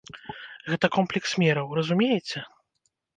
Гэта комплекс мераў, разумееце?